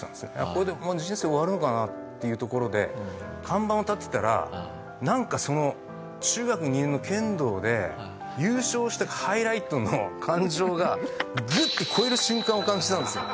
これでもう人生終わるのかなっていうところで看板を立てたらなんかその中学２年の剣道で優勝したハイライトの感情がグッて超える瞬間を感じたんですよ。